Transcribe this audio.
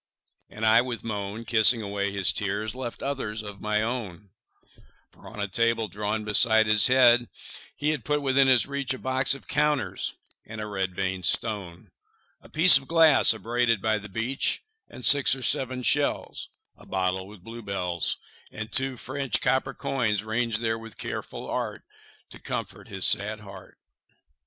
And I, with moan, Kissing away his tears, left others of my own; For, on a table drawn beside his head, He had put, within his reach, 15 A box of counters and a red vein'd stone, A piece of glass abraded by the beach, And six or seven shells, A bottle with bluebells, And two French copper coins, ranged there with careful art, 20 To comfort his sad heart.